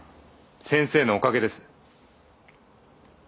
先生のおかげです。